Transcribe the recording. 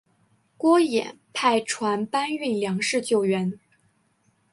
郭衍派船搬运粮食救援。